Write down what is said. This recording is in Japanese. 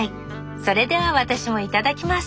それでは私もいただきます！